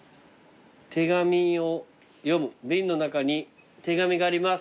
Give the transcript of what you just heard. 「手紙を読む」「ビンの中に手紙があります